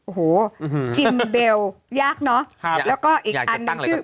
โอ้โหหือจิมเบลยากเนอะครับแล้วก็อีกอันอะไรก็ตั้ง